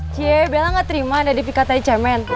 cie bella gak terima nadif katanya cemen